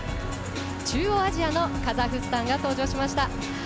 中央アジアのカザフスタンが登場しました。